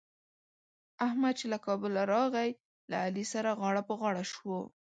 احمد چې له کابله راغی؛ له علي سره غاړه په غاړه شو.